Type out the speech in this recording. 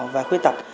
về khuyết tật